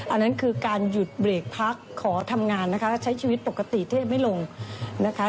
อันนั้นคือการหยุดเบรกพักขอทำงานนะคะใช้ชีวิตปกติเทพไม่ลงนะคะ